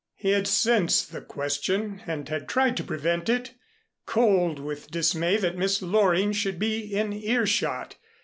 He had sensed the question and had tried to prevent it, cold with dismay that Miss Loring should be in earshot.